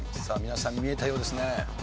さあ皆さん見えたようですね。